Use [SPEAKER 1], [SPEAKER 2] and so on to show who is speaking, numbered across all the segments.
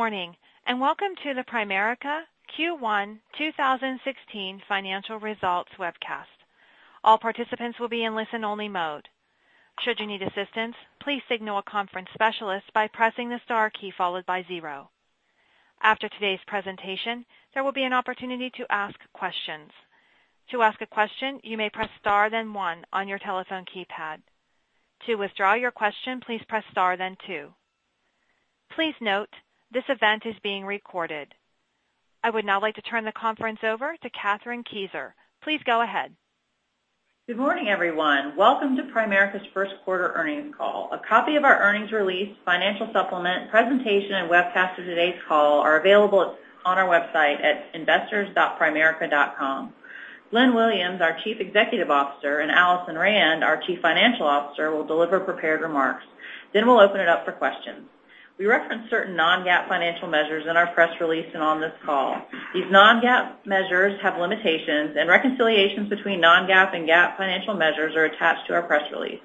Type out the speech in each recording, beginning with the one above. [SPEAKER 1] Good morning, and welcome to the Primerica Q1 2016 financial results webcast. All participants will be in listen-only mode. Should you need assistance, please signal a conference specialist by pressing the star key, followed by zero. After today's presentation, there will be an opportunity to ask questions. To ask a question, you may press star, then one on your telephone keypad. To withdraw your question, please press star, then two. Please note, this event is being recorded. I would now like to turn the conference over to Catherine Kieser. Please go ahead.
[SPEAKER 2] Good morning, everyone. Welcome to Primerica's first quarter earnings call. A copy of our earnings release, financial supplement, presentation, and webcast of today's call are available on our website at investors.primerica.com. Glenn Williams, our Chief Executive Officer, and Alison Rand, our Chief Financial Officer, will deliver prepared remarks. We'll open it up for questions. We reference certain non-GAAP financial measures in our press release and on this call. These non-GAAP measures have limitations, and reconciliations between non-GAAP and GAAP financial measures are attached to our press release.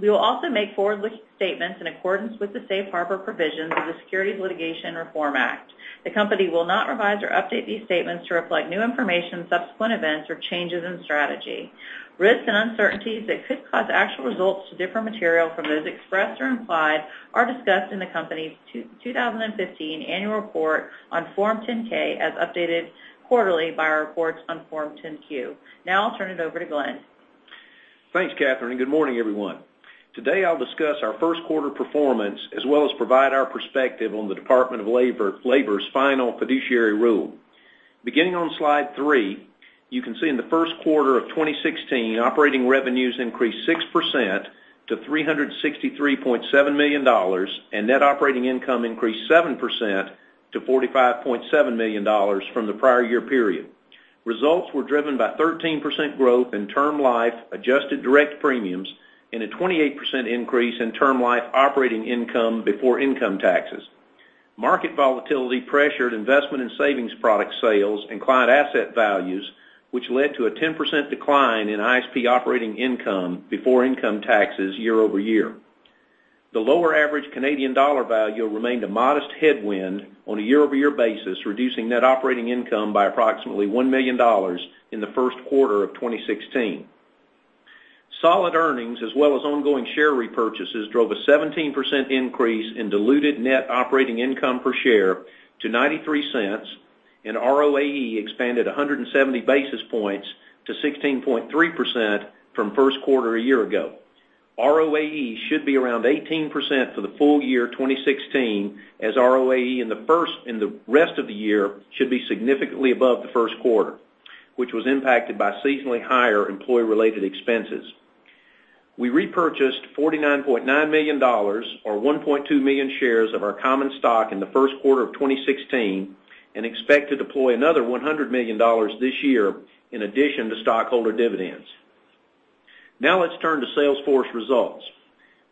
[SPEAKER 2] We will also make forward-looking statements in accordance with the safe harbor provisions of the Securities Litigation Reform Act. The company will not revise or update these statements to reflect new information, subsequent events, or changes in strategy. Risks and uncertainties that could cause actual results to differ material from those expressed or implied are discussed in the company's 2015 annual report on Form 10-K, as updated quarterly by our reports on Form 10-Q. I'll turn it over to Glenn.
[SPEAKER 3] Thanks, Catherine, and good morning, everyone. Today, I'll discuss our first quarter performance, as well as provide our perspective on the Department of Labor's final fiduciary rule. Beginning on slide three, you can see in the first quarter of 2016, operating revenues increased 6% to $363.7 million, and net operating income increased 7% to $45.7 million from the prior year period. Results were driven by 13% growth in Term Life adjusted direct premiums and a 28% increase in Term Life operating income before income taxes. Market volatility pressured investment and savings product sales and client asset values, which led to a 10% decline in ISP operating income before income taxes year-over-year. The lower average Canadian dollar value remained a modest headwind on a year-over-year basis, reducing net operating income by approximately $1 million in the first quarter of 2016. Solid earnings as well as ongoing share repurchases drove a 17% increase in diluted net operating income per share to $0.93, and ROAE expanded 170 basis points to 16.3% from first quarter a year ago. ROAE should be around 18% for the full year 2016, as ROAE in the rest of the year should be significantly above the first quarter, which was impacted by seasonally higher employee-related expenses. We repurchased $49.9 million, or 1.2 million shares of our common stock in the first quarter of 2016 and expect to deploy another $100 million this year in addition to stockholder dividends. Now let's turn to sales force results.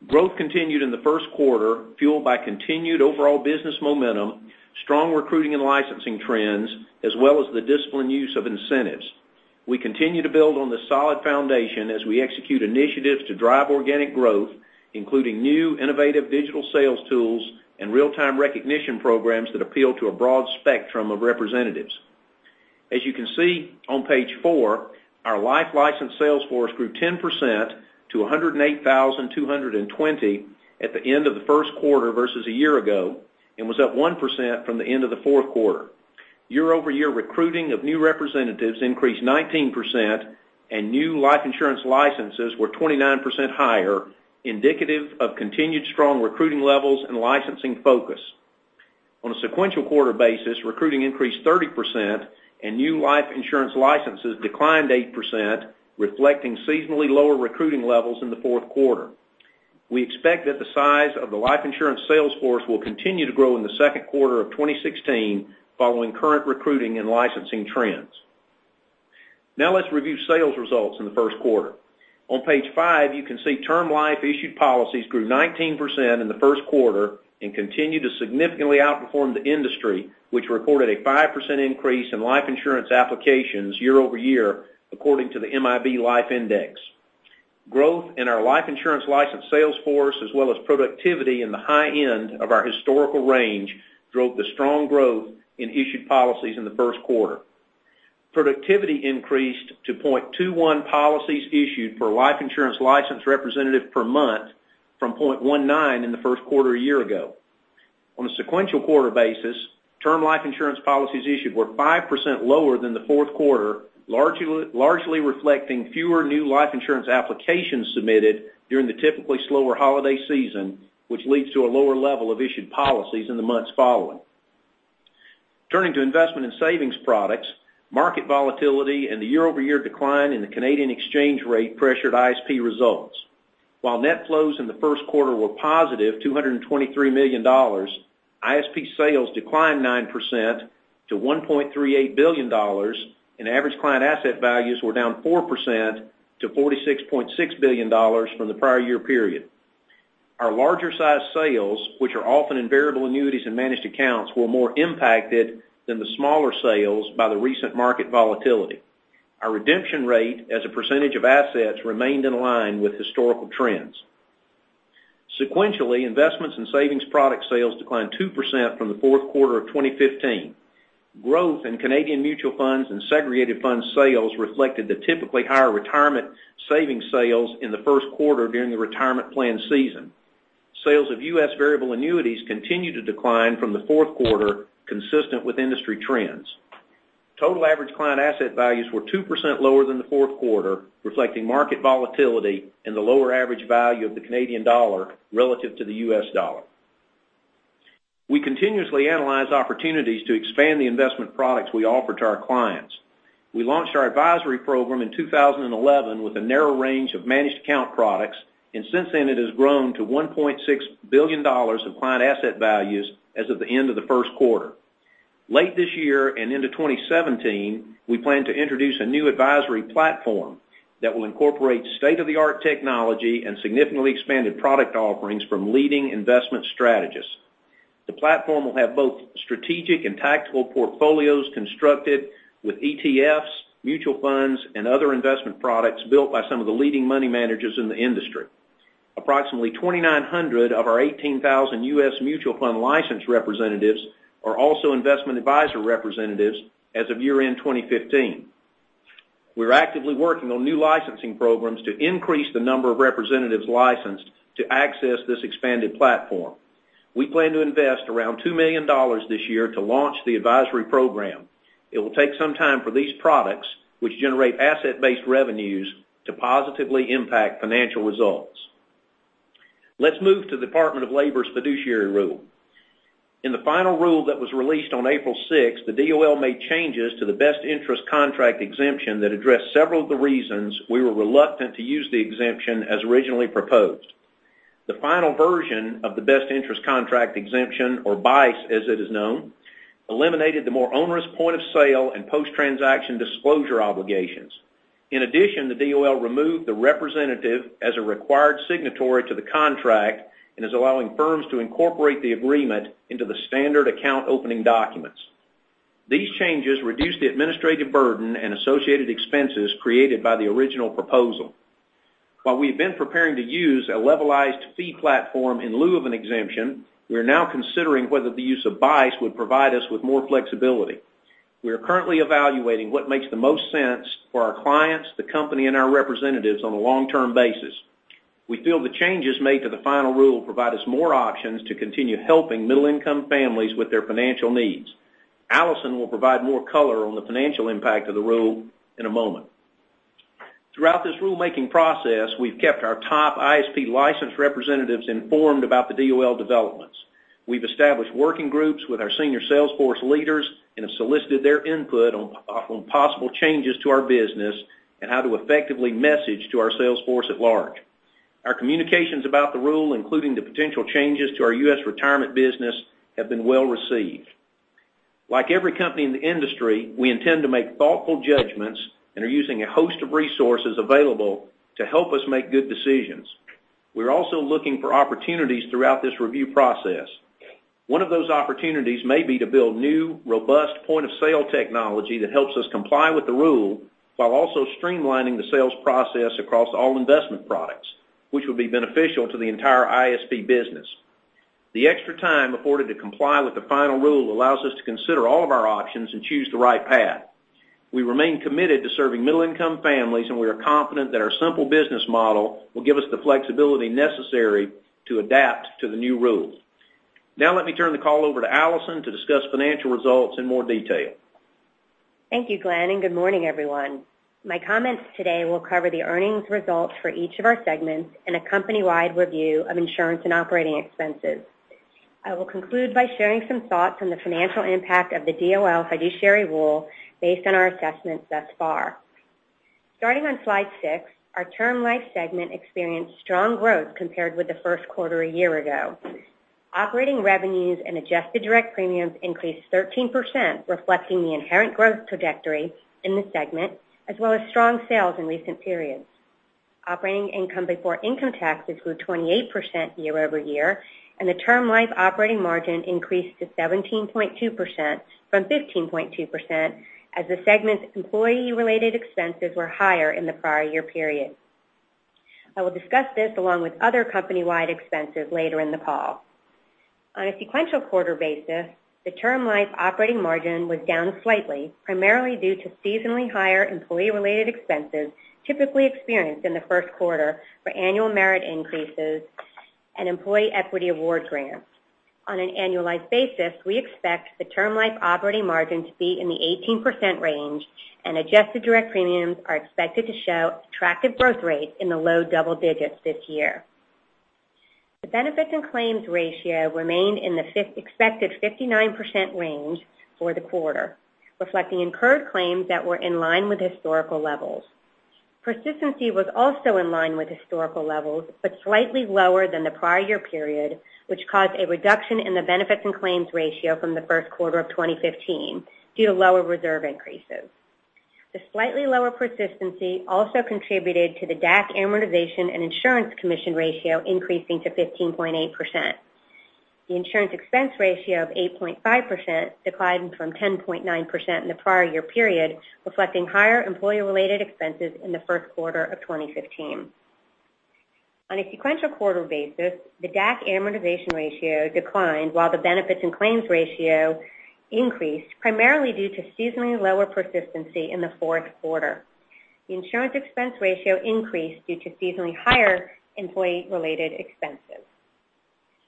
[SPEAKER 3] Growth continued in the first quarter, fueled by continued overall business momentum, strong recruiting and licensing trends, as well as the disciplined use of incentives. We continue to build on this solid foundation as we execute initiatives to drive organic growth, including new innovative digital sales tools and real-time recognition programs that appeal to a broad spectrum of representatives. As you can see on page four, our life license sales force grew 10% to 108,220 at the end of the first quarter versus a year ago and was up 1% from the end of the fourth quarter. Year-over-year recruiting of new representatives increased 19%, and new life insurance licenses were 29% higher, indicative of continued strong recruiting levels and licensing focus. On a sequential quarter basis, recruiting increased 30%, and new life insurance licenses declined 8%, reflecting seasonally lower recruiting levels in the fourth quarter. We expect that the size of the life insurance sales force will continue to grow in the second quarter of 2016 following current recruiting and licensing trends. Now let's review sales results in the first quarter. On page five, you can see Term Life issued policies grew 19% in the first quarter and continue to significantly outperform the industry, which reported a 5% increase in life insurance applications year-over-year, according to the MIB Life Index. Growth in our life insurance license sales force as well as productivity in the high end of our historical range drove the strong growth in issued policies in the first quarter. Productivity increased to 0.21 policies issued per life insurance license representative per month from 0.19 in the first quarter a year ago. On a sequential quarter basis, Term Life insurance policies issued were 5% lower than the fourth quarter, largely reflecting fewer new life insurance applications submitted during the typically slower holiday season, which leads to a lower level of issued policies in the months following. Turning to Investment and Savings Products, market volatility and the year-over-year decline in the Canadian exchange rate pressured ISP results. While net flows in the first quarter were a positive $223 million, ISP sales declined 9% to $1.38 billion, and average client asset values were down 4% to $46.6 billion from the prior year period. Our larger size sales, which are often in Variable Annuities and Managed Accounts, were more impacted than the smaller sales by the recent market volatility. Our redemption rate as a percentage of assets remained in line with historical trends. Sequentially, Investment and Savings Product sales declined 2% from the fourth quarter of 2015. Growth in Canadian Mutual Funds and Segregated Fund sales reflected the typically higher retirement savings sales in the first quarter during the retirement plan season. Sales of U.S. Variable Annuities continued to decline from the fourth quarter, consistent with industry trends. Total average client asset values were 2% lower than the fourth quarter, reflecting market volatility and the lower average value of the Canadian dollar relative to the U.S. dollar. We continuously analyze opportunities to expand the investment products we offer to our clients. We launched our advisory program in 2011 with a narrow range of managed account products, and since then, it has grown to $1.6 billion of client asset values as of the end of the first quarter. Late this year and into 2017, we plan to introduce a new advisory platform that will incorporate state-of-the-art technology and significantly expanded product offerings from leading investment strategists. The platform will have both strategic and tactical portfolios constructed with ETFs, Mutual Funds, and other investment products built by some of the leading money managers in the industry. Approximately 2,900 of our 18,000 U.S. mutual fund licensed representatives are also investment advisor representatives as of year-end 2015. We're actively working on new licensing programs to increase the number of representatives licensed to access this expanded platform. We plan to invest around $2 million this year to launch the advisory program. It will take some time for these products, which generate asset-based revenues, to positively impact financial results. Let's move to the Department of Labor's fiduciary rule. In the final rule that was released on April 6, the DOL made changes to the Best Interest Contract Exemption that addressed several of the reasons we were reluctant to use the exemption as originally proposed. The final version of the Best Interest Contract Exemption, or BICE, as it is known, eliminated the more onerous point of sale and post-transaction disclosure obligations. In addition, the DOL removed the representative as a required signatory to the contract and is allowing firms to incorporate the agreement into the standard account opening documents. These changes reduce the administrative burden and associated expenses created by the original proposal. While we've been preparing to use a levelized fee platform in lieu of an exemption, we are now considering whether the use of BICE would provide us with more flexibility. We are currently evaluating what makes the most sense for our clients, the company, and our representatives on a long-term basis. We feel the changes made to the final rule provide us more options to continue helping middle-income families with their financial needs. Alison will provide more color on the financial impact of the rule in a moment. Throughout this rulemaking process, we've kept our top ISP licensed representatives informed about the DOL developments. We've established working groups with our senior sales force leaders and have solicited their input on possible changes to our business and how to effectively message to our sales force at large. Our communications about the rule, including the potential changes to our U.S. retirement business, have been well received. Like every company in the industry, we intend to make thoughtful judgments and are using a host of resources available to help us make good decisions. We're also looking for opportunities throughout this review process. One of those opportunities may be to build new, robust point-of-sale technology that helps us comply with the rule while also streamlining the sales process across all investment products, which will be beneficial to the entire ISP business. The extra time afforded to comply with the final rule allows us to consider all of our options and choose the right path. We remain committed to serving middle-income families, and we are confident that our simple business model will give us the flexibility necessary to adapt to the new rules. Now let me turn the call over to Alison to discuss financial results in more detail.
[SPEAKER 4] Thank you, Glenn, and good morning, everyone. My comments today will cover the earnings results for each of our segments and a company-wide review of insurance and operating expenses. I will conclude by sharing some thoughts on the financial impact of the DOL fiduciary rule based on our assessments thus far. Starting on slide 6, our Term Life segment experienced strong growth compared with the first quarter a year ago. Operating revenues and adjusted direct premiums increased 13%, reflecting the inherent growth trajectory in the segment, as well as strong sales in recent periods. Operating income before income taxes grew 28% year-over-year, and the Term Life operating margin increased to 17.2% from 15.2% as the segment's employee-related expenses were higher in the prior year period. I will discuss this along with other company-wide expenses later in the call. On a sequential quarter basis, the Term Life operating margin was down slightly, primarily due to seasonally higher employee-related expenses typically experienced in the first quarter for annual merit increases and employee equity award grants. On an annualized basis, we expect the Term Life operating margin to be in the 18% range, and adjusted direct premiums are expected to show attractive growth rates in the low double digits this year. The benefits and claims ratio remained in the expected 59% range for the quarter, reflecting incurred claims that were in line with historical levels. Persistency was also in line with historical levels, but slightly lower than the prior year period, which caused a reduction in the benefits and claims ratio from the first quarter of 2015 due to lower reserve increases. The slightly lower persistency also contributed to the DAC amortization and insurance commission ratio increasing to 15.8%. The insurance expense ratio of 8.5% declined from 10.9% in the prior year period, reflecting higher employee-related expenses in the first quarter of 2015. On a sequential quarter basis, the DAC amortization ratio declined while the benefits and claims ratio increased, primarily due to seasonally lower persistency in the fourth quarter. The insurance expense ratio increased due to seasonally higher employee-related expenses.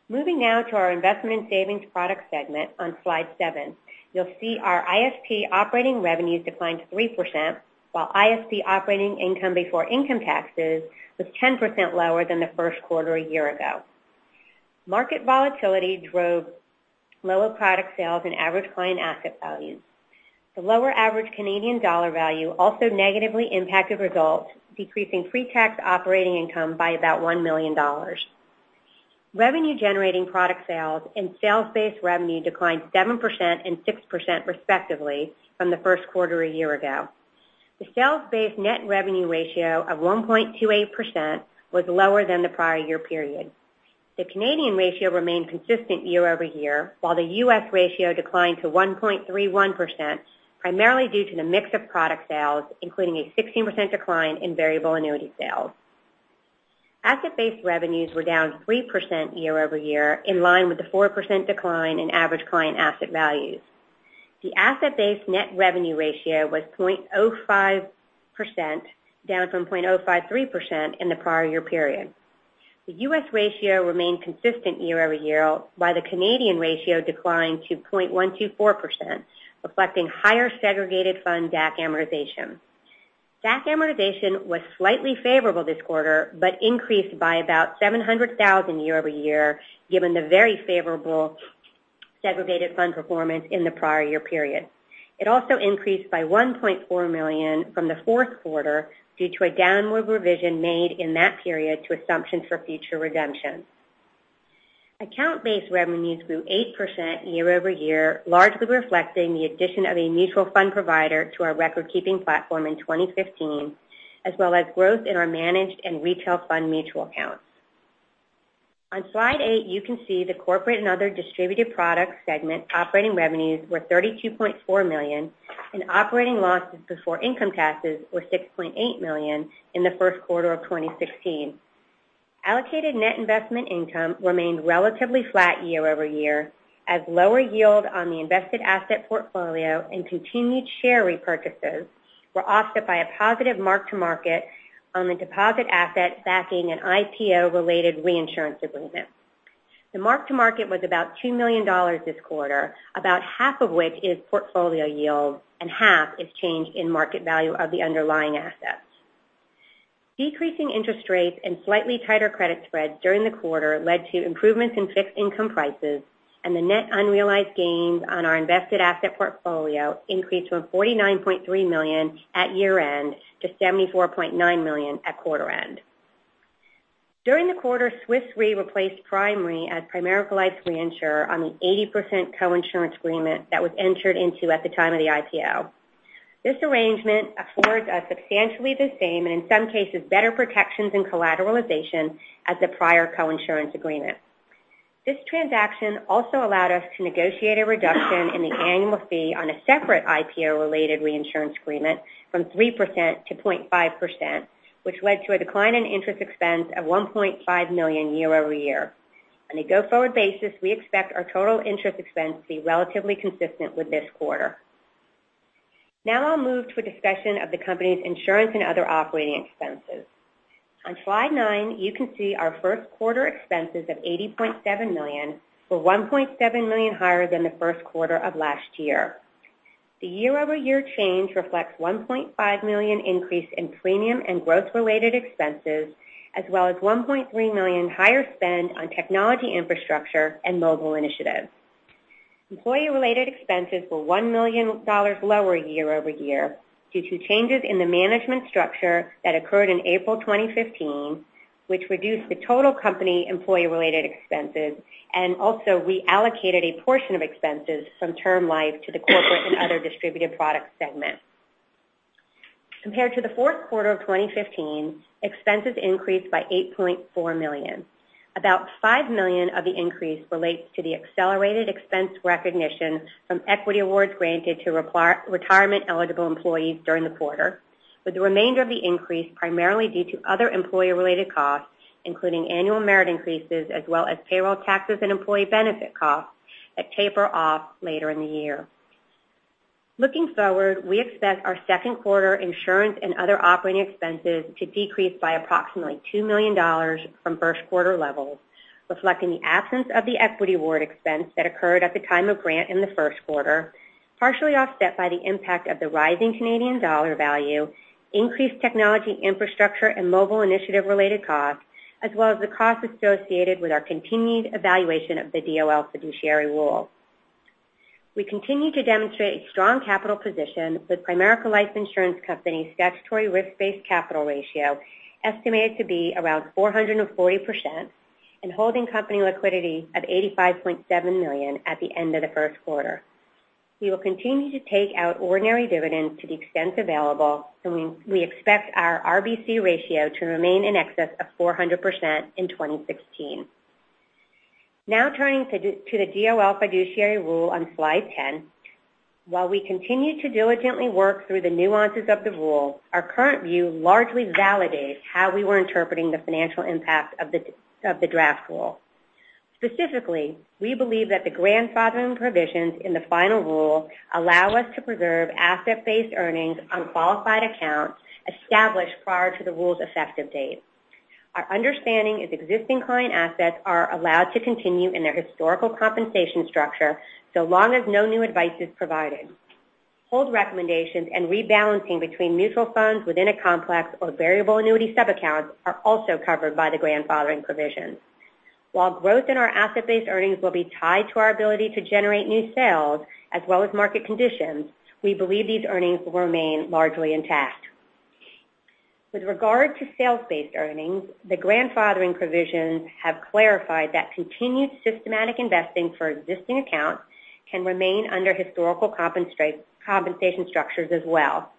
[SPEAKER 4] Moving now to our Investment and Savings Products segment on slide seven. You'll see our ISP operating revenues declined 3%, while ISP operating income before income taxes was 10% lower than the first quarter a year ago. Market volatility drove lower product sales and average client asset values. The lower average Canadian dollar value also negatively impacted results, decreasing pre-tax operating income by about $1 million. Revenue-generating product sales and sales-based revenue declined 7% and 6% respectively from the first quarter a year ago. The sales-based net revenue ratio of 1.28% was lower than the prior year period. The Canadian ratio remained consistent year-over-year, while the U.S. ratio declined to 1.31%, primarily due to the mix of product sales, including a 16% decline in variable annuity sales. Asset-based revenues were down 3% year-over-year, in line with the 4% decline in average client asset values. The asset-based net revenue ratio was 0.05%, down from 0.053% in the prior year period. The U.S. ratio remained consistent year-over-year, while the Canadian ratio declined to 0.124%, reflecting higher segregated fund DAC amortization. DAC amortization was slightly favorable this quarter, but increased by about $700,000 year-over-year given the very favorable segregated fund performance in the prior year period. It also increased by $1.4 million from the fourth quarter due to a downward revision made in that period to assumptions for future redemptions. Account-based revenues grew 8% year-over-year, largely reflecting the addition of a mutual fund provider to our record-keeping platform in 2015, as well as growth in our managed and retail fund mutual accounts. On slide eight, you can see the Corporate and Other Distributed Products Segment operating revenues were $32.4 million, and operating losses before income taxes were $6.8 million in the first quarter of 2016. Allocated net investment income remained relatively flat year-over-year, as lower yield on the invested asset portfolio and continued share repurchases were offset by a positive mark-to-market on the deposit asset backing an IPO-related reinsurance agreement. The mark-to-market was about $2 million this quarter, about half of which is portfolio yield and half is change in market value of the underlying assets. The net unrealized gains on our invested asset portfolio increased from $49.3 million at year-end to $74.9 million at quarter end. During the quarter, Swiss Re replaced Primerica as Primerica Life's reinsurer on the 80% co-insurance agreement that was entered into at the time of the IPO. This arrangement affords us substantially the same, and in some cases better protections and collateralization as the prior co-insurance agreement. This transaction also allowed us to negotiate a reduction in the annual fee on a separate IPO-related reinsurance agreement from 3% to 0.5%, which led to a decline in interest expense of $1.5 million year-over-year. On a go-forward basis, we expect our total interest expense to be relatively consistent with this quarter. I'll move to a discussion of the company's insurance and other operating expenses. On slide nine, you can see our first quarter expenses of $80.7 million were $1.7 million higher than the first quarter of last year. The year-over-year change reflects $1.5 million increase in premium and growth-related expenses, as well as $1.3 million higher spend on technology infrastructure and mobile initiatives. Employee-related expenses were $1 million lower year-over-year due to changes in the management structure that occurred in April 2015, which reduced the total company employee-related expenses and also reallocated a portion of expenses from term life to the Corporate and Other Distributed Product Segment. Compared to the fourth quarter of 2015, expenses increased by $8.4 million. About $5 million of the increase relates to the accelerated expense recognition from equity awards granted to retirement-eligible employees during the quarter, with the remainder of the increase primarily due to other employee-related costs, including annual merit increases as well as payroll taxes and employee benefit costs that taper off later in the year. Looking forward, we expect our second quarter insurance and other operating expenses to decrease by approximately $2 million from first quarter levels, reflecting the absence of the equity award expense that occurred at the time of grant in the first quarter, partially offset by the impact of the rising Canadian dollar value, increased technology infrastructure and mobile initiative-related costs, as well as the costs associated with our continued evaluation of the DOL fiduciary rule. We continue to demonstrate a strong capital position with Primerica Life Insurance Company's statutory risk-based capital ratio estimated to be around 440% and holding company liquidity of $85.7 million at the end of the first quarter. We will continue to take out ordinary dividends to the extent available, and we expect our RBC ratio to remain in excess of 400% in 2016. Now turning to the DOL fiduciary rule on slide 10. While we continue to diligently work through the nuances of the rule, our current view largely validates how we were interpreting the financial impact of the draft rule. Specifically, we believe that the grandfathering provisions in the final rule allow us to preserve asset-based earnings on qualified accounts established prior to the rule's effective date. Our understanding is existing client assets are allowed to continue in their historical compensation structure, so long as no new advice is provided. Hold recommendations and rebalancing between Mutual Funds within a complex or Variable Annuity subaccounts are also covered by the grandfathering provision. While growth in our asset-based earnings will be tied to our ability to generate new sales as well as market conditions, we believe these earnings will remain largely intact. With regard to sales-based earnings, the grandfathering provisions have clarified that continued systematic investing for existing accounts can remain under historical compensation structures as well.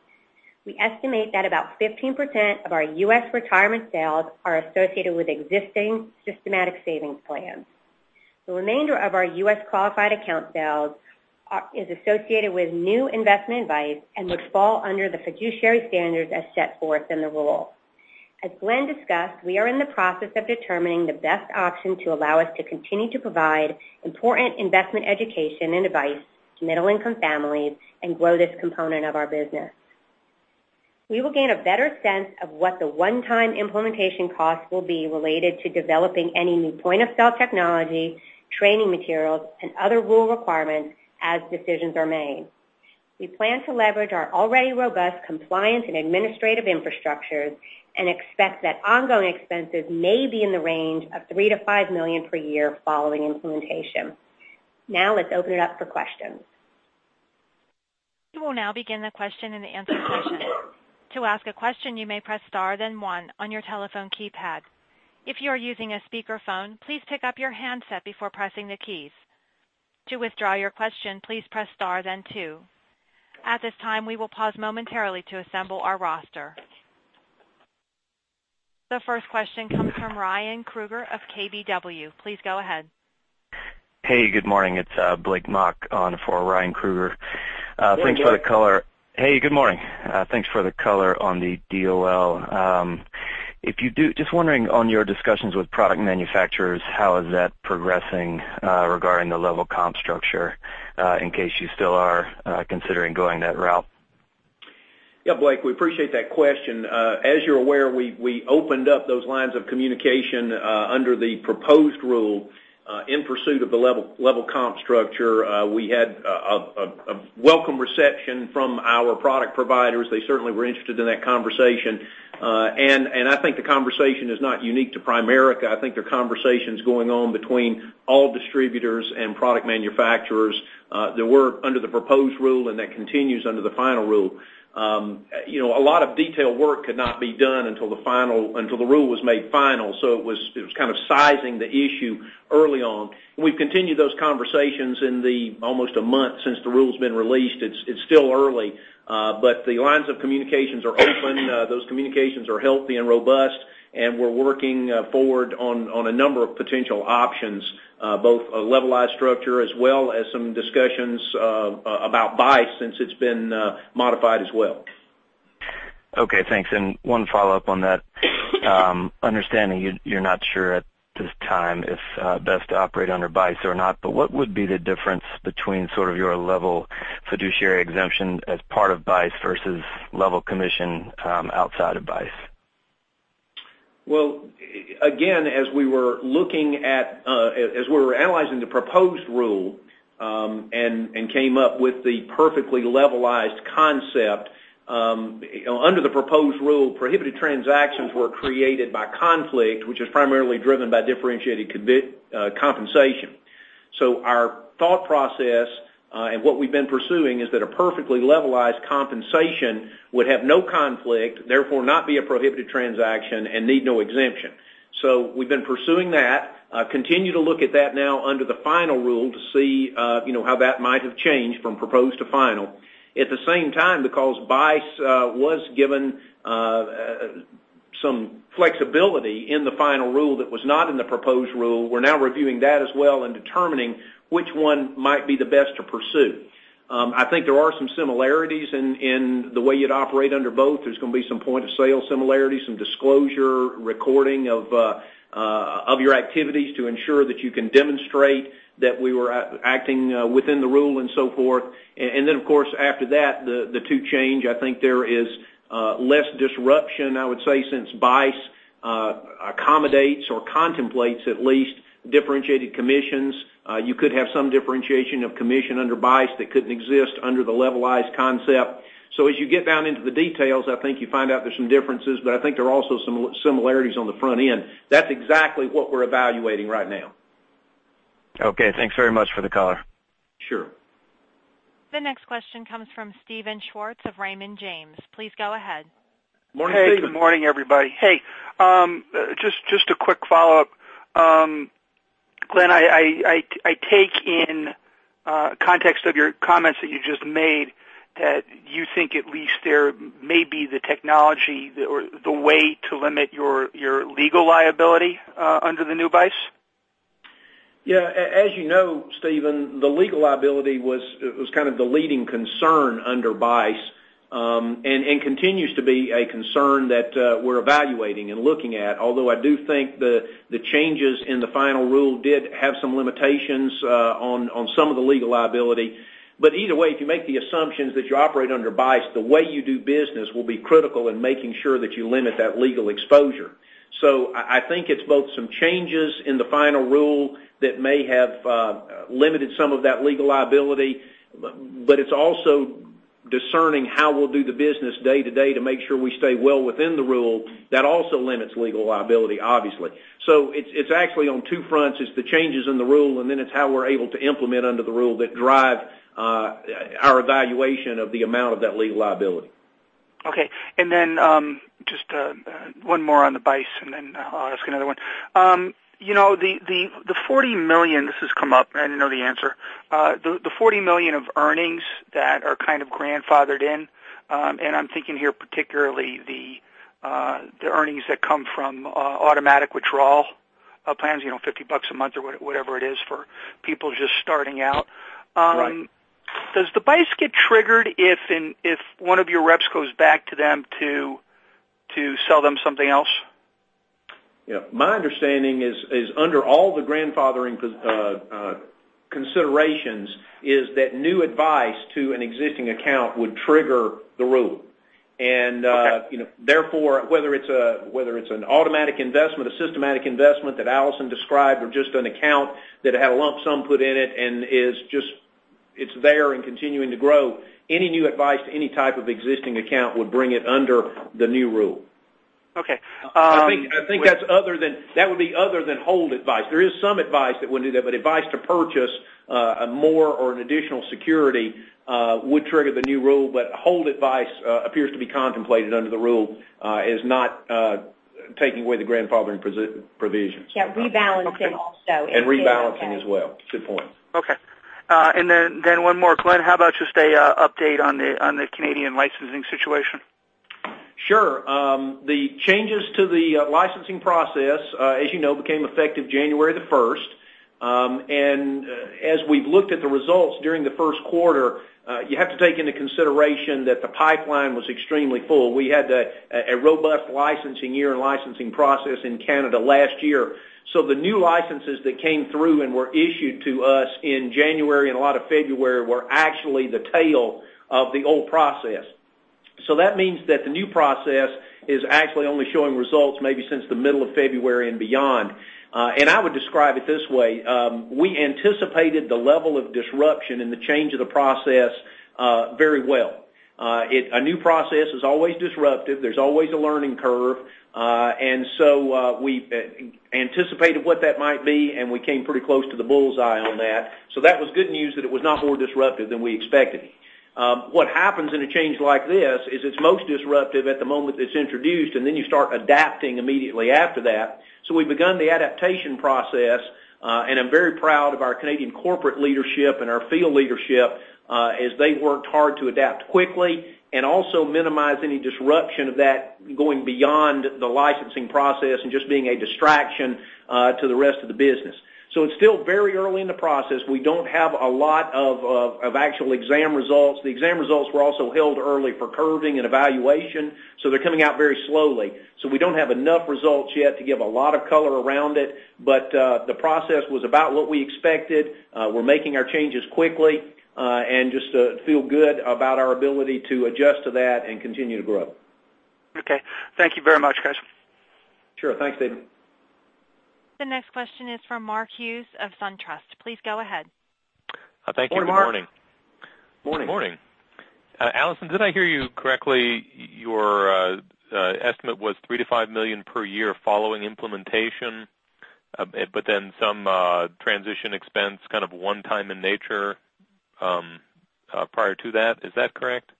[SPEAKER 4] We estimate that about 15% of our U.S. retirement sales are associated with existing systematic savings plans. The remainder of our U.S. qualified account sales is associated with new investment advice and would fall under the fiduciary standards as set forth in the rule. As Glenn discussed, we are in the process of determining the best option to allow us to continue to provide important investment education and advice to middle income families and grow this component of our business. We will gain a better sense of what the one-time implementation costs will be related to developing any new point-of-sale technology, training materials, and other rule requirements as decisions are made. We plan to leverage our already robust compliance and administrative infrastructures and expect that ongoing expenses may be in the range of $3 million-$5 million per year following implementation. Now, let's open it up for questions.
[SPEAKER 1] We will now begin the question and answer session. To ask a question, you may press star then one on your telephone keypad. If you are using a speakerphone, please pick up your handset before pressing the keys. To withdraw your question, please press star then two. At this time, we will pause momentarily to assemble our roster. The first question comes from Ryan Krueger of KBW. Please go ahead.
[SPEAKER 5] Hey, good morning. It's Blake Mock on for Ryan Krueger.
[SPEAKER 4] There you go.
[SPEAKER 5] Hey, good morning. Thanks for the color on the DOL. Just wondering on your discussions with product manufacturers, how is that progressing regarding the level comp structure, in case you still are considering going that route?
[SPEAKER 4] Yeah, Blake, we appreciate that question. As you're aware, we opened up those lines of communication under the proposed rule in pursuit of the level comp structure. We had a welcome reception from our product providers. They certainly were interested in that conversation. I think the conversation is not unique to Primerica. I think there are conversations going on between all distributors and product manufacturers that were under the proposed rule, and that continues under the final rule. A lot of detail work could not be done until the rule was made final. It was kind of sizing the issue early on. We've continued those conversations in the almost a month since the rule's been released. It's still early, but the lines of communications are open. Those communications are healthy and robust, we're working forward on a number of potential options, both a levelized structure as well as some discussions about BICE, since it's been modified as well.
[SPEAKER 5] Okay, thanks. One follow-up on that. Understanding you're not sure at this time if best to operate under BICE or not, but what would be the difference between sort of your level fiduciary exemption as part of BICE versus level commission outside of BICE?
[SPEAKER 4] Well, again, as we were analyzing the proposed rule, came up with the perfectly levelized concept, under the proposed rule, prohibited transactions were created by conflict, which is primarily driven by differentiated compensation. Our thought process and what we've been pursuing is that a perfectly levelized compensation would have no conflict, therefore not be a prohibited transaction and need no exemption. We've been pursuing that. Continue to look at that now under the final rule to see how that might have changed from proposed to final. At the same time, because BICE was given some flexibility in the final rule that was not in the proposed rule, we're now reviewing that as well and determining which one might be the best to pursue. I think there are some similarities in the way you'd operate under both. There's going to be some point of sale similarities, some disclosure, recording of your activities to ensure that you can demonstrate that we were acting within the rule and so forth. Then, of course, after that, the two change, I think there is less disruption, I would say, since BICE accommodates or contemplates at least differentiated commissions. You could have some differentiation of commission under BICE that couldn't exist under the levelized concept. As you get down into the details, I think you find out there's some differences, but I think there are also some similarities on the front end. That's exactly what we're evaluating right now.
[SPEAKER 5] Okay, thanks very much for the color.
[SPEAKER 4] Sure.
[SPEAKER 1] The next question comes from Steven Schwartz of Raymond James. Please go ahead.
[SPEAKER 4] Morning, Steven.
[SPEAKER 6] Hey, good morning, everybody. Hey, just a quick follow-up Glenn, I take in context of your comments that you just made that you think at least there may be the technology or the way to limit your legal liability under the new BICE?
[SPEAKER 3] Yeah. As you know, Steven, the legal liability was the leading concern under BICE, and continues to be a concern that we're evaluating and looking at. Although I do think the changes in the final rule did have some limitations on some of the legal liability. Either way, if you make the assumptions that you operate under BICE, the way you do business will be critical in making sure that you limit that legal exposure. I think it's both some changes in the final rule that may have limited some of that legal liability, but it's also discerning how we'll do the business day to day to make sure we stay well within the rule that also limits legal liability, obviously. It's actually on two fronts. It's the changes in the rule, and then it's how we're able to implement under the rule that drive our evaluation of the amount of that legal liability.
[SPEAKER 6] Okay. Just one more on the BICE, then I'll ask another one. The $40 million, this has come up, I didn't know the answer. The $40 million of earnings that are kind of grandfathered in, I'm thinking here particularly the earnings that come from automatic withdrawal plans, $50 a month or whatever it is for people just starting out.
[SPEAKER 3] Right.
[SPEAKER 6] Does the BICE get triggered if one of your reps goes back to them to sell them something else?
[SPEAKER 3] Yeah, my understanding is under all the grandfathering considerations, is that new advice to an existing account would trigger the rule.
[SPEAKER 6] Okay.
[SPEAKER 3] Therefore, whether it's an automatic investment, a systematic investment that Alison described, or just an account that had a lump sum put in it and it's there and continuing to grow, any new advice to any type of existing account would bring it under the new rule.
[SPEAKER 6] Okay.
[SPEAKER 3] I think that would be other than hold advice. There is some advice that wouldn't do that, but advice to purchase more or an additional security would trigger the new rule. Hold advice appears to be contemplated under the rule, is not taking away the grandfathering provisions.
[SPEAKER 4] Yeah, rebalancing also.
[SPEAKER 3] Rebalancing as well. Good point.
[SPEAKER 6] Okay. One more, Glenn. How about just an update on the Canadian licensing situation?
[SPEAKER 3] Sure. The changes to the licensing process, as you know, became effective January the 1st. As we've looked at the results during the first quarter, you have to take into consideration that the pipeline was extremely full. We had a robust licensing year and licensing process in Canada last year. The new licenses that came through and were issued to us in January and a lot of February were actually the tail of the old process. That means that the new process is actually only showing results maybe since the middle of February and beyond. I would describe it this way: we anticipated the level of disruption and the change of the process very well. A new process is always disruptive. There's always a learning curve. We anticipated what that might be, and we came pretty close to the bull's eye on that. That was good news that it was not more disruptive than we expected. What happens in a change like this is it's most disruptive at the moment it's introduced, and then you start adapting immediately after that. We've begun the adaptation process, and I'm very proud of our Canadian corporate leadership and our field leadership, as they worked hard to adapt quickly and also minimize any disruption of that going beyond the licensing process and just being a distraction to the rest of the business. It's still very early in the process. We don't have a lot of actual exam results. The exam results were also held early for curving and evaluation, so they're coming out very slowly. We don't have enough results yet to give a lot of color around it. The process was about what we expected. We're making our changes quickly, and just feel good about our ability to adjust to that and continue to grow.
[SPEAKER 6] Okay. Thank you very much, guys.
[SPEAKER 3] Sure. Thanks, Steven.
[SPEAKER 1] The next question is from Mark Hughes of SunTrust. Please go ahead.
[SPEAKER 7] Thank you. Good morning. Morning. Morning. Alison, did I hear you correctly, your estimate was $3 million-$5 million per year following implementation, but then some transition expense kind of one-time in nature prior to that. Is that correct?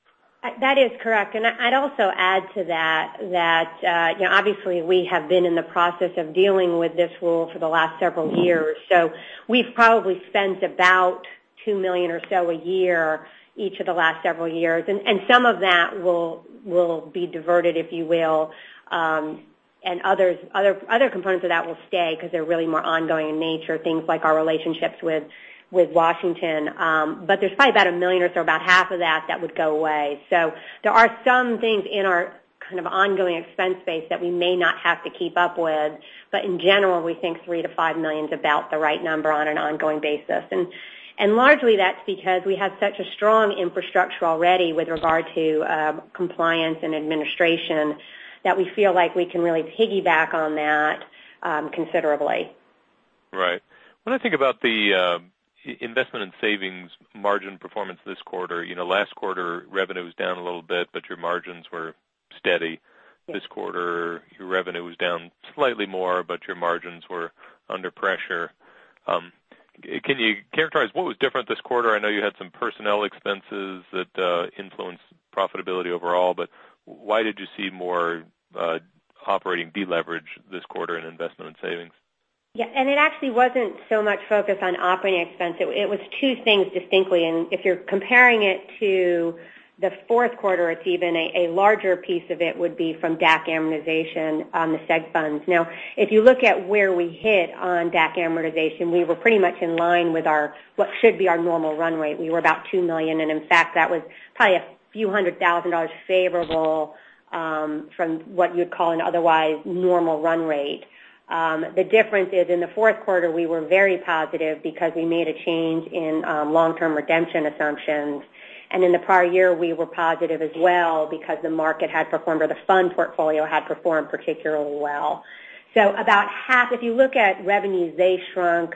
[SPEAKER 4] That is correct. I'd also add to that, obviously we have been in the process of dealing with this rule for the last several years. We've probably spent about $2 million or so a year each of the last several years, and some of that will be diverted, if you will, and other components of that will stay because they're really more ongoing in nature, things like our relationships with Washington. There's probably about $1 million or so, about half of that would go away. There are some things in our kind of ongoing expense base that we may not have to keep up with. In general, we think $3 million-$5 million is about the right number on an ongoing basis. Largely that's because we have such a strong infrastructure already with regard to compliance and administration that we feel like we can really piggyback on that considerably.
[SPEAKER 7] Right. When I think about the Investment and Savings margin performance this quarter, last quarter revenue was down a little bit, your margins were steady. This quarter, your revenue was down slightly more, your margins were under pressure. Can you characterize what was different this quarter? I know you had some personnel expenses that influenced profitability overall, why did you see more operating deleverage this quarter in Investment and Savings?
[SPEAKER 4] Yeah. It actually wasn't so much focused on operating expense. It was two things distinctly, if you're comparing it to the fourth quarter, it's even a larger piece of it would be from DAC amortization on the Seg Funds. Now, if you look at where we hit on DAC amortization, we were pretty much in line with what should be our normal run rate. We were about $2 million, and in fact, that was probably a few hundred thousand dollars favorable from what you'd call an otherwise normal run rate. The difference is in the fourth quarter, we were very positive because we made a change in long-term redemption assumptions. In the prior year, we were positive as well because the market had performed or the fund portfolio had performed particularly well. About half, if you look at revenues, they shrunk.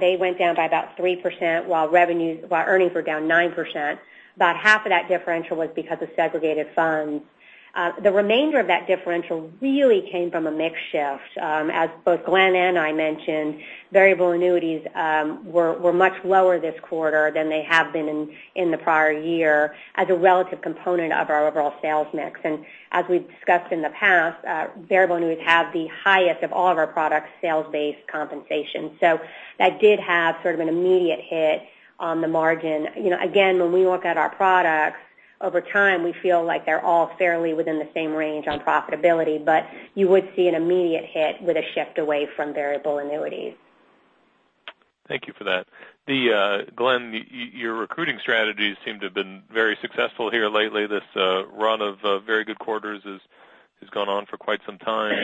[SPEAKER 4] They went down by about 3%, while earnings were down 9%. About half of that differential was because of Segregated Funds. The remainder of that differential really came from a mix shift. As both Glenn and I mentioned, Variable Annuities were much lower this quarter than they have been in the prior year as a relative component of our overall sales mix. As we've discussed in the past, Variable Annuities have the highest of all of our products' sales-based compensation. That did have sort of an immediate hit on the margin. When we look at our products over time, we feel like they're all fairly within the same range on profitability, but you would see an immediate hit with a shift away from Variable Annuities.
[SPEAKER 7] Thank you for that. Glenn, your recruiting strategies seem to have been very successful here lately. This run of very good quarters has gone on for quite some time.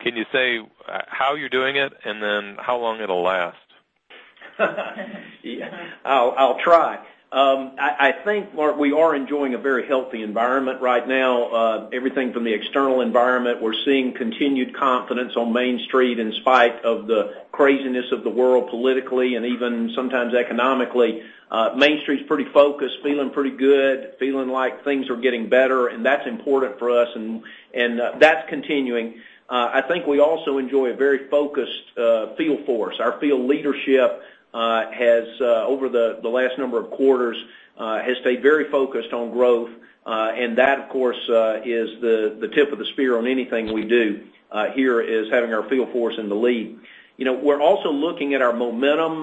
[SPEAKER 7] Can you say how you're doing it, and then how long it'll last?
[SPEAKER 3] I'll try. I think, Mark, we are enjoying a very healthy environment right now. Everything from the external environment, we're seeing continued confidence on Main Street in spite of the craziness of the world politically and even sometimes economically. Main Street is pretty focused, feeling pretty good, feeling like things are getting better, and that's important for us, and that's continuing. I think we also enjoy a very focused field force. Our field leadership, over the last number of quarters has stayed very focused on growth. That, of course, is the tip of the spear on anything we do here is having our field force in the lead. We're also looking at our momentum,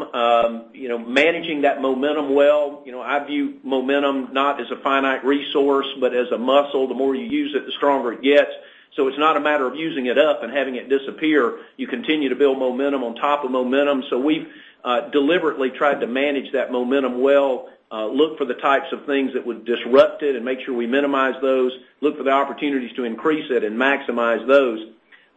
[SPEAKER 3] managing that momentum well. I view momentum not as a finite resource, but as a muscle. The more you use it, the stronger it gets. It's not a matter of using it up and having it disappear. You continue to build momentum on top of momentum. We've deliberately tried to manage that momentum well, look for the types of things that would disrupt it, and make sure we minimize those, look for the opportunities to increase it and maximize those.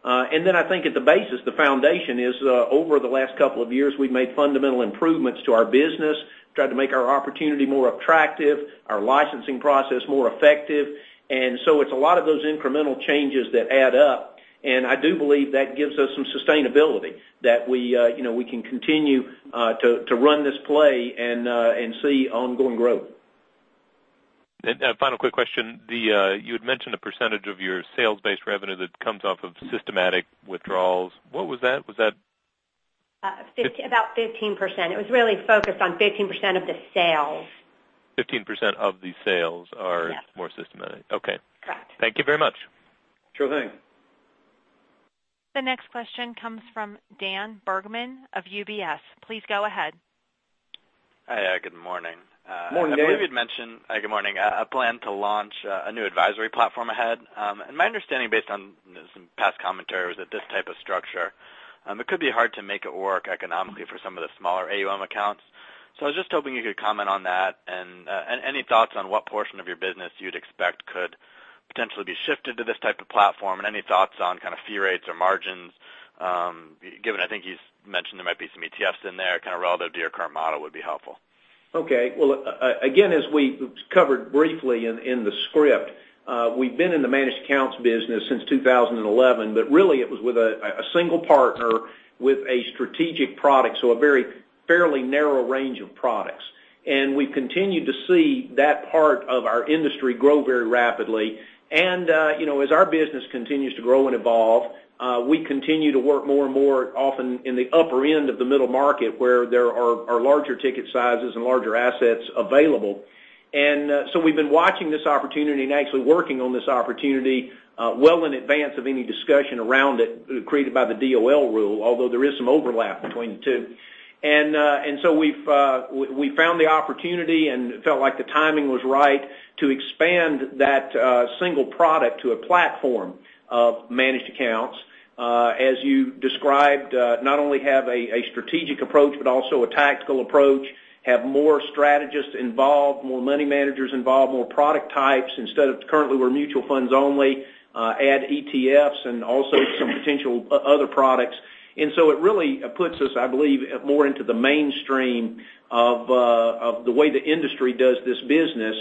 [SPEAKER 3] I think at the basis, the foundation is, over the last couple of years, we've made fundamental improvements to our business, tried to make our opportunity more attractive, our licensing process more effective. It's a lot of those incremental changes that add up, and I do believe that gives us some sustainability that we can continue to run this play and see ongoing growth.
[SPEAKER 7] A final quick question. You had mentioned a percentage of your sales-based revenue that comes off of systematic withdrawals. What was that? Was that-
[SPEAKER 4] About 15%. It was really focused on 15% of the sales.
[SPEAKER 7] 15% of the sales are-
[SPEAKER 4] Yes
[SPEAKER 7] more systematic. Okay.
[SPEAKER 4] Correct.
[SPEAKER 7] Thank you very much.
[SPEAKER 3] Sure thing.
[SPEAKER 1] The next question comes from Daniel Bergman of UBS. Please go ahead.
[SPEAKER 8] Hi. Good morning.
[SPEAKER 3] Morning, Dan.
[SPEAKER 8] Hi, good morning, a plan to launch a new advisory platform ahead. My understanding, based on some past commentary, was that this type of structure, it could be hard to make it work economically for some of the smaller AUM accounts. I was just hoping you could comment on that, and any thoughts on what portion of your business you'd expect could potentially be shifted to this type of platform, and any thoughts on kind of fee rates or margins, given I think you mentioned there might be some ETFs in there, kind of relative to your current model would be helpful.
[SPEAKER 3] Okay. Well, again, as we covered briefly in the script, we've been in the Managed Accounts business since 2011, really it was with a single partner with a strategic product, a very fairly narrow range of products. We continued to see that part of our industry grow very rapidly. As our business continues to grow and evolve, we continue to work more and more often in the upper end of the middle market, where there are larger ticket sizes and larger assets available. We've been watching this opportunity and actually working on this opportunity well in advance of any discussion around it created by the DOL rule, although there is some overlap between the two. We found the opportunity and felt like the timing was right to expand that single product to a platform of Managed Accounts. As you described, not only have a strategic approach, but also a tactical approach, have more strategists involved, more money managers involved, more product types instead of currently we're Mutual Funds only, add ETFs and also some potential other products. It really puts us, I believe, more into the mainstream of the way the industry does this business.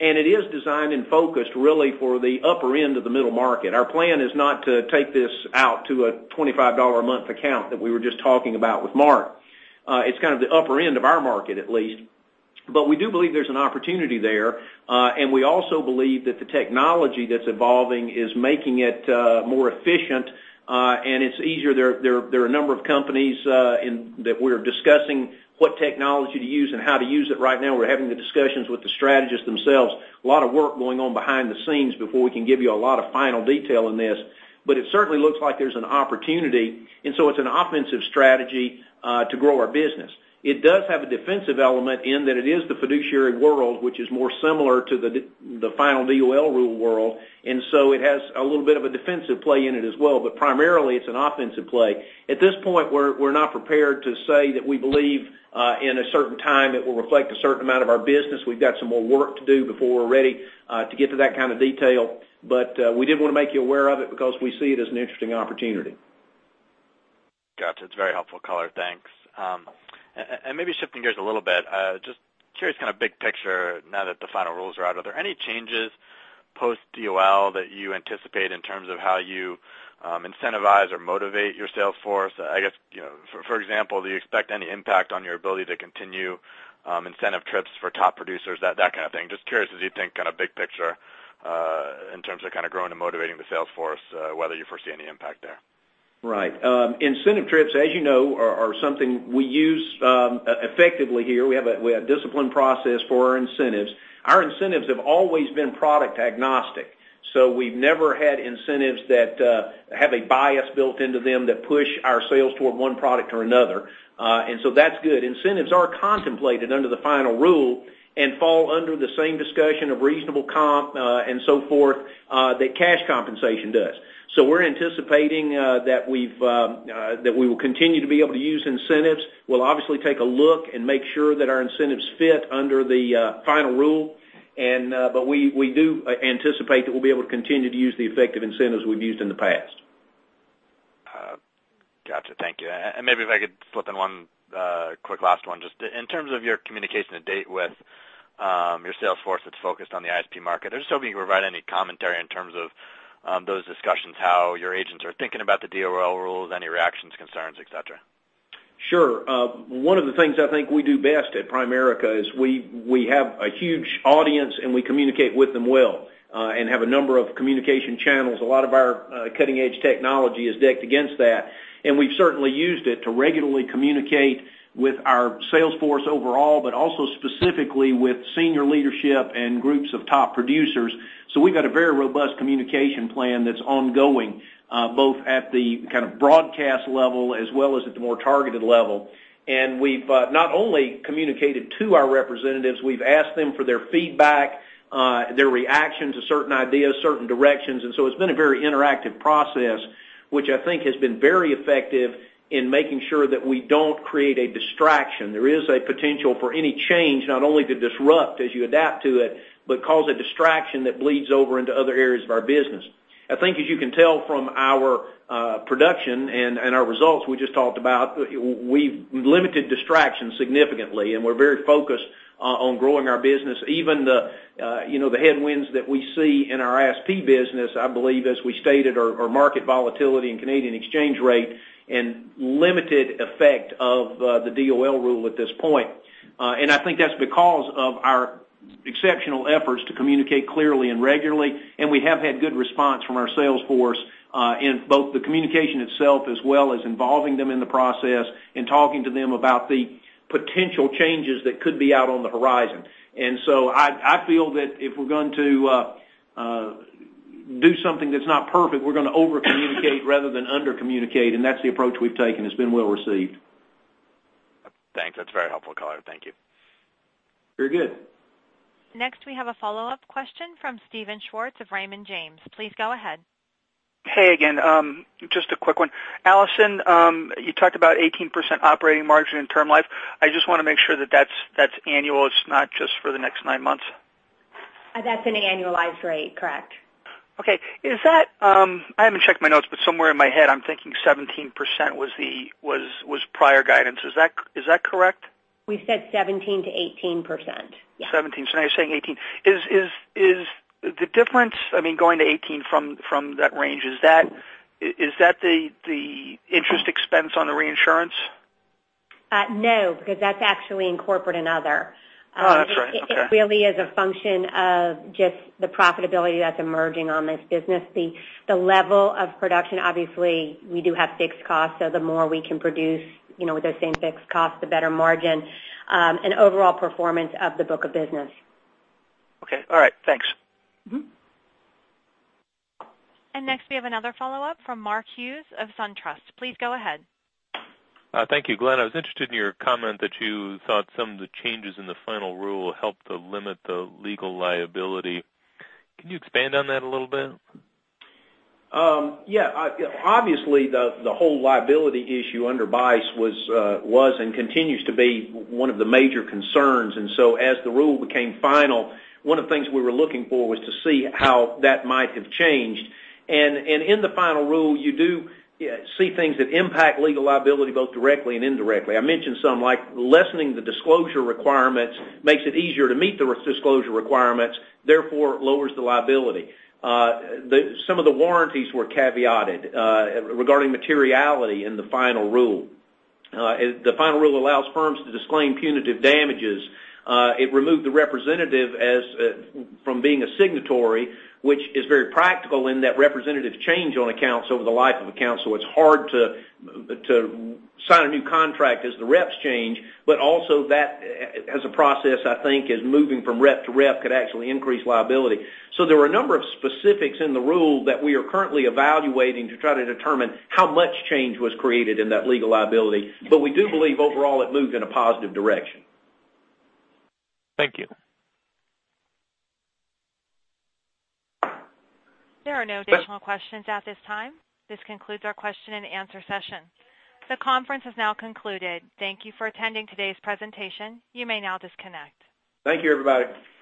[SPEAKER 3] It is designed and focused really for the upper end of the middle market. Our plan is not to take this out to a $25 a month account that we were just talking about with Mark. It's kind of the upper end of our market, at least. We do believe there's an opportunity there. We also believe that the technology that's evolving is making it more efficient, and it's easier. There are a number of companies that we're discussing what technology to use and how to use it right now. We're having the discussions with the strategists themselves. A lot of work going on behind the scenes before we can give you a lot of final detail in this. It certainly looks like there's an opportunity. It's an offensive strategy to grow our business. It does have a defensive element in that it is the fiduciary world, which is more similar to the final DOL rule world. It has a little bit of a defensive play in it as well. Primarily, it's an offensive play. At this point, we're not prepared to say that we believe in a certain time it will reflect a certain amount of our business. We've got some more work to do before we're ready to get to that kind of detail. We did want to make you aware of it because we see it as an interesting opportunity.
[SPEAKER 8] Got you. It's a very helpful color. Thanks. Maybe shifting gears a little bit, just curious kind of big picture now that the final rules are out. Are there any changes post-DOL that you anticipate in terms of how you incentivize or motivate your sales force? I guess, for example, do you expect any impact on your ability to continue incentive trips for top producers, that kind of thing? Just curious as you think kind of big picture in terms of kind of growing and motivating the sales force, whether you foresee any impact there.
[SPEAKER 3] Right. Incentive trips, as you know, are something we use effectively here. We have a disciplined process for our incentives. Our incentives have always been product agnostic, so we've never had incentives that have a bias built into them that push our sales toward one product or another. That's good. Incentives are contemplated under the final rule and fall under the same discussion of reasonable comp and so forth that cash compensation does. We're anticipating that we will continue to be able to use incentives. We'll obviously take a look and make sure that our incentives fit under the final rule. We do anticipate that we'll be able to continue to use the effective incentives we've used in the past.
[SPEAKER 8] Got you. Thank you. Maybe if I could slip in one quick last one. Just in terms of your communication to date with your sales force that's focused on the ISP market, I was hoping you could provide any commentary in terms of those discussions, how your agents are thinking about the DOL rules, any reactions, concerns, et cetera.
[SPEAKER 3] Sure. One of the things I think we do best at Primerica is we have a huge audience, we communicate with them well and have a number of communication channels. A lot of our cutting-edge technology is decked against that, we've certainly used it to regularly communicate with our sales force overall, but also specifically with senior leadership and groups of top producers. We've got a very robust communication plan that's ongoing both at the kind of broadcast level as well as at the more targeted level. We've not only communicated to our representatives, we've asked them for their feedback, their reactions to certain ideas, certain directions. It's been a very interactive process, which I think has been very effective in making sure that we don't create a distraction. There is a potential for any change, not only to disrupt as you adapt to it, but cause a distraction that bleeds over into other areas of our business. I think as you can tell from our production and our results we just talked about, we've limited distractions significantly, we're very focused on growing our business. Even the headwinds that we see in our ISP business, I believe, as we stated, are market volatility and Canadian exchange rate and limited effect of the DOL rule at this point. I think that's because of our exceptional efforts to communicate clearly and regularly. We have had good response from our sales force in both the communication itself as well as involving them in the process and talking to them about the potential changes that could be out on the horizon. I feel that if we're going to do something that's not perfect, we're going to over-communicate rather than under-communicate, and that's the approach we've taken. It's been well received.
[SPEAKER 8] Thanks. That's very helpful color. Thank you.
[SPEAKER 3] Very good.
[SPEAKER 1] Next, we have a follow-up question from Steven Schwartz of Raymond James. Please go ahead.
[SPEAKER 6] Hey again. Just a quick one. Alison, you talked about 18% operating margin in Term Life. I just want to make sure that that's annual. It's not just for the next nine months.
[SPEAKER 4] That's an annualized rate, correct.
[SPEAKER 6] Okay. I haven't checked my notes, but somewhere in my head, I'm thinking 17% was prior guidance. Is that correct?
[SPEAKER 4] We said 17%-18%, yeah.
[SPEAKER 6] 17. Now you're saying 18. Is the difference, going to 18 from that range, is that the interest expense on the reinsurance?
[SPEAKER 4] No, because that's actually in corporate and other.
[SPEAKER 6] Oh, that's right. Okay.
[SPEAKER 4] It really is a function of just the profitability that's emerging on this business. The level of production, obviously, we do have fixed costs, so the more we can produce with those same fixed costs, the better margin and overall performance of the book of business.
[SPEAKER 6] Okay. All right. Thanks.
[SPEAKER 1] Next, we have another follow-up from Mark Hughes of SunTrust. Please go ahead.
[SPEAKER 7] Thank you. Glenn, I was interested in your comment that you thought some of the changes in the final rule helped to limit the legal liability. Can you expand on that a little bit?
[SPEAKER 3] Yeah. Obviously, the whole liability issue under BICE was and continues to be one of the major concerns. As the rule became final, one of the things we were looking for was to see how that might have changed. In the final rule, you do see things that impact legal liability both directly and indirectly. I mentioned some, like lessening the disclosure requirements makes it easier to meet the disclosure requirements, therefore lowers the liability. Some of the warranties were caveated regarding materiality in the final rule. The final rule allows firms to disclaim punitive damages. It removed the representative from being a signatory, which is very practical in that representatives change on accounts over the life of accounts. It's hard to sign a new contract as the reps change. As a process, I think as moving from rep to rep could actually increase liability. There were a number of specifics in the rule that we are currently evaluating to try to determine how much change was created in that legal liability. We do believe overall it moved in a positive direction.
[SPEAKER 7] Thank you.
[SPEAKER 1] There are no additional questions at this time. This concludes our question and answer session. The conference has now concluded. Thank you for attending today's presentation. You may now disconnect.
[SPEAKER 3] Thank you, everybody.